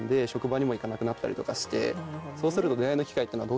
そうすると。